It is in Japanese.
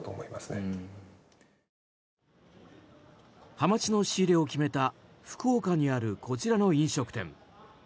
ハマチの仕入れを決めた福岡にあるこちらの飲食店。